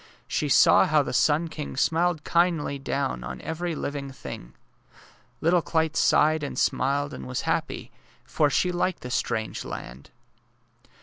She saw how the sun king smiled kindly down on every living thing. Little Clyte sighed and smiled and was happy, for she liked the strange land.